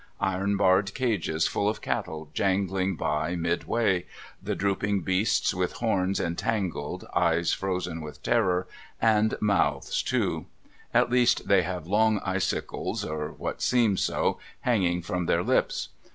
Iron barred cages full of cattle jangling by midway, the drooping beasts with horns entangled, eyes frozen with terror, and mouths too : at least they have long icicles (or what seem so) hanging from their lips.